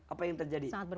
apa yang terjadi